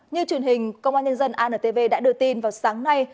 như truyền hình công an nhân dân antv đã đưa tin vào sáng nay